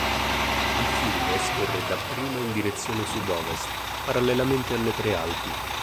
Il fiume scorre dapprima in direzione sud-ovest, parallelamente alle prealpi.